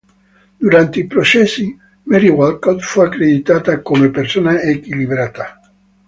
Durante i processi, Mary Walcott fu accreditata come persona equilibrata.